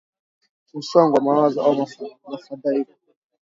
Msongo wa mawazo au mafadhaiko